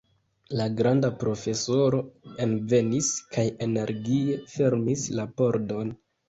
La granda profesoro envenis kaj energie fermis la pordon.